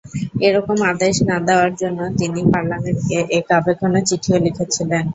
এ রকম আদেশ না দেওয়ার জন্য তিনি পার্লামেন্টকে এক আবেগঘন চিঠিও লিখেছিলেন।